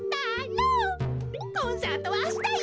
コンサートはあしたよ！